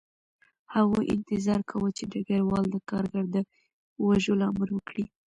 هغوی انتظار کاوه چې ډګروال د کارګر د وژلو امر وکړي